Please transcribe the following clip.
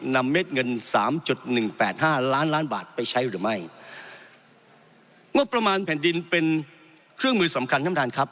เม็ดเงินสามจุดหนึ่งแปดห้าล้านล้านบาทไปใช้หรือไม่งบประมาณแผ่นดินเป็นเครื่องมือสำคัญท่านประธานครับ